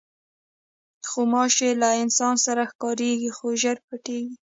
غوماشې له انسان سره ښکارېږي، خو ژر پټېږي.